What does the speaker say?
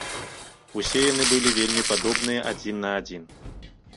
Усе яны былі вельмі падобныя адзін на адзін.